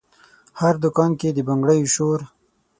هر دکان کې د بنګړیو شور،